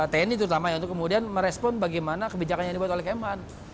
tni terutama ya untuk kemudian merespon bagaimana kebijakan yang dibuat oleh kemhan